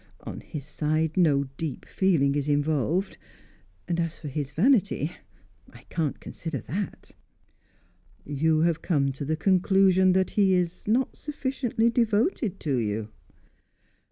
On his side, no deep feeling is involved, and as for his vanity I can't consider that." "You have come to the conclusion that he is not sufficiently devoted to you?"